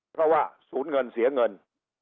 เพราะว่าศูนย์เงินเสียเงิน